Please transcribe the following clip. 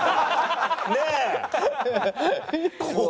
ねえ。